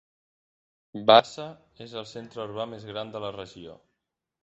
Vaasa és el centre urbà més gran de la regió.